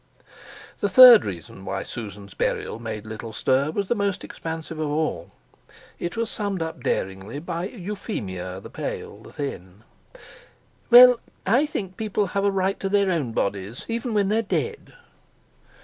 The third reason why Susan's burial made little stir was the most expansive of all. It was summed up daringly by Euphemia, the pale, the thin: "Well, I think people have a right to their own bodies, even when they're dead."